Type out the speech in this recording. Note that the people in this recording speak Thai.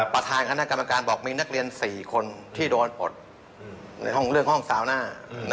ประธานคณะกรรมการบอกมีนักเรียน๔คนที่โดนปลดในห้องเรื่องห้องซาวน่า